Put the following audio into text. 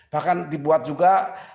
bahkan dibuat juga